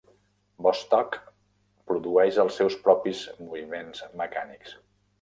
Vostok produeix els seus propis moviments mecànics.